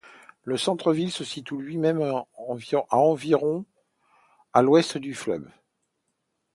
Le centre-ville se situe lui-même à environ à l'ouest du fleuve.